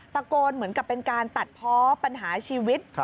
เหมือนกับเป็นการตัดเพาะปัญหาชีวิต